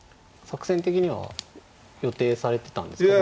作戦的には予定されてたんですか。